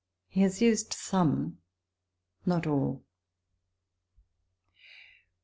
He has used some,* not all.